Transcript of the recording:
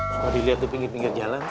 kalau dilihat di pinggir pinggir jalan